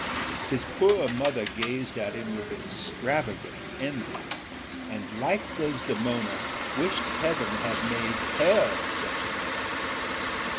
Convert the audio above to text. His poor mother gazed at him with extravagant envy and, like Desdemona, wished heaven had made her such a man.